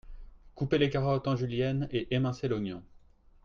couper les carottes en julienne et émincer l’oignon.